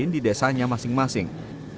di desanya masing masing